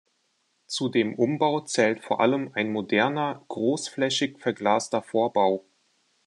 Zu dem Umbau zählt vor allem ein moderner, großflächig verglaster Vorbau.